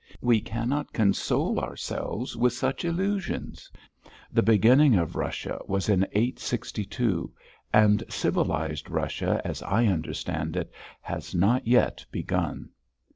We cannot console ourselves with such illusions. The beginning of Russia was in 862, and civilised Russia, as I understand it, has not yet begun."